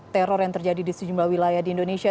teror yang terjadi di sejumlah wilayah di indonesia